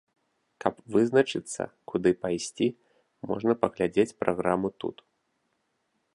Каб вызначыцца, куды пайсці, можна паглядзець праграму тут.